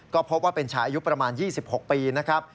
ก็พบว่าเป็นชายอายุประมาณ๒๖ปีนะครับ